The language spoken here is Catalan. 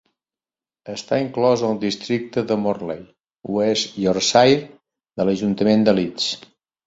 Està inclòs al districte de Morley, West Yorkshire, de l'ajuntament de Leeds.